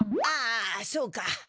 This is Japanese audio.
あそうか。